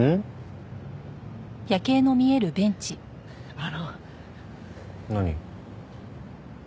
あの。何？